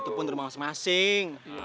itu pun dari masing masing